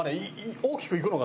大きくいくのか。